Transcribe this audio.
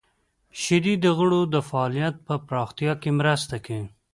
• شیدې د غړو د فعالیت په پراختیا کې مرسته کوي.